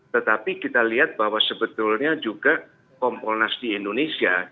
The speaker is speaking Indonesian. tetapi kita lihat bahwa sebetulnya juga kompolnas di indonesia